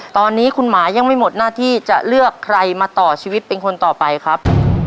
ตอนนี้คุณหมายังไม่หมดหน้าที่จะเลือกใครมาต่อชีวิตเป็นคนต่อไปครับ